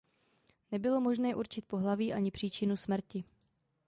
Nebylo možné určit pohlaví ani příčinu smrti.